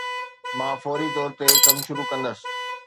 مان فوري طور تي ڪم شروع ڪندس